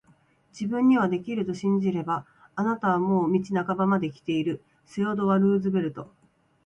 自分にはできると信じれば、あなたはもう道半ばまで来ている～セオドア・ルーズベルト～